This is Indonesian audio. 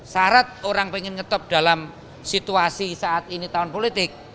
syarat orang pengen ngetop dalam situasi saat ini tahun politik